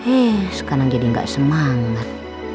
eh sekarang jadi gak semangat